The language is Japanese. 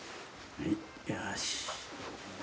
はいよし。